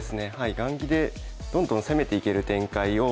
雁木でどんどん攻めていける展開を見ていって。